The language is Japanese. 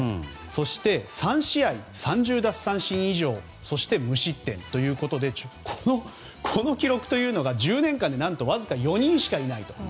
そして３試合３０奪三振以上そして、無失点ということでこの記録というのが１０年間でわずか４人しかいないと。